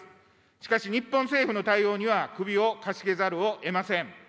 しかし日本政府の対応には首をかしげざるをえません。